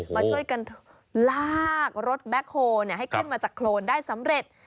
มาช่วยกันลากรถแบ็คโฮลให้ขึ้นมาจากโครนได้สำเร็จ